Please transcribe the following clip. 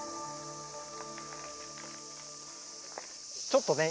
ちょっとね